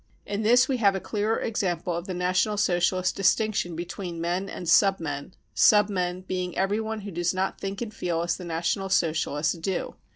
In this we have a clearer example of the National Socialist distinction between men and <c sub men," sub men being everyone who does not think and feel as the National Socialists do.